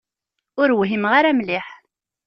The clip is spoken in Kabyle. Ur whimeɣ ara mliḥ.